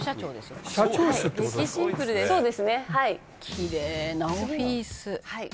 「きれいなオフィス」